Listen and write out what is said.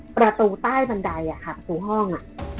ประตูใต้บันไดค่ะประตูห้อง